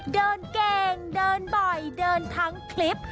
เดินเก่งเดินบ่อยเดินทั้งคลิป